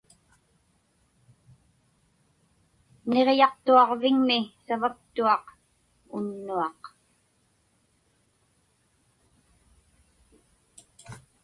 Niġiyaqtuġviŋmi savaktuaq unnuaq.